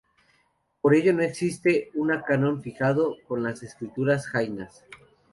Por ello no existe un canon fijado con las escrituras jainas.